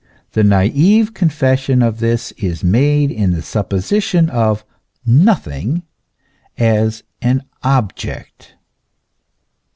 The naive confes sion of this is made in the supposition of "nothing" as an object.